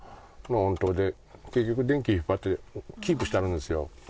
結局電気引っ張ってキープしてあるんですよ。